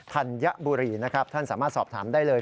ธัญบุรีนะครับท่านสามารถสอบถามได้เลย